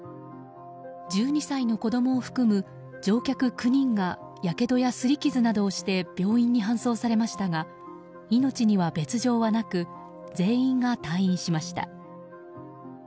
１２歳の子供を含む乗客９人がやけどや擦り傷などをして病院に搬送されましたが命には別条はなく全員が退院しました。